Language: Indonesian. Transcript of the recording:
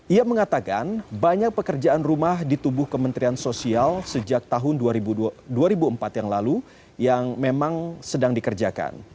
ia mengatakan banyak pekerjaan rumah di tubuh kementerian sosial sejak tahun dua ribu empat yang lalu yang memang sedang dikerjakan